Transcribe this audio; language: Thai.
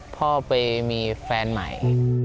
พ่อไปมีแฟนใหม่